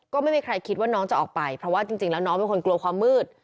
ก็ไม่มีใครคิดว่าน้องจะออกไปเพราะว่าจริงแล้วน้องเป็นคนกลัวความมืด